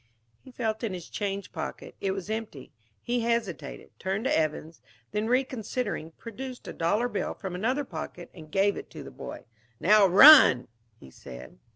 He felt in his change pocket. It was empty. He hesitated, turned to Evans, then, reconsidering, produced a dollar bill from another pocket and gave it to the boy. "Now run," he said.